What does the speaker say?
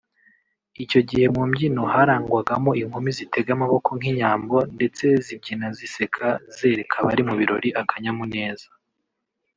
icyo gihe mumbyino harangwagamo inkumi zitega amaboko nkinyambo ndetse zibyina ziseka zereka abari mubirori akanyamuneza